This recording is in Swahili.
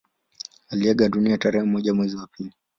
Aliaga dunia tarehe moja mwezi wa pili